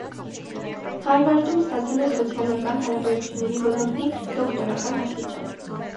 Հարվարդում ստացել է սոցիալական հարաբերությունների ոլորտի դոկտորական աստիճան։